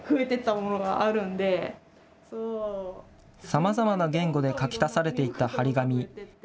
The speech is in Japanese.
さまざまな言語で書き足されていった貼り紙。